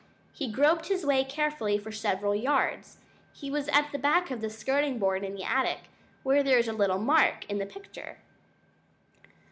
He groped his way carefully for several yards; he was at the back of the skirting board in the attic, where there is a little mark * in the picture.